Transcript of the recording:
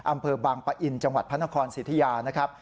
อำเภอบางปะอินจังหวัดพระนครสิทธิา